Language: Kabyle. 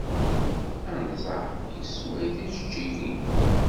Anẓar yessway tijeǧǧigin.